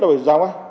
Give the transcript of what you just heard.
phải giao ngay